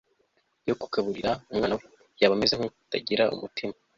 yo kugaburira umwana we yaba ameze nkutagira umutima